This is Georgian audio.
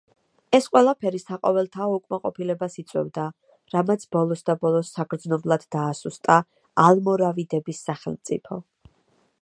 ეს ყველაფერი საყოველთაო უკმაყოფილებას იწვევდა, რამაც ბოლოსდაბოლოს საგრძნობლად დაასუსტა ალმორავიდების სახელმწიფო.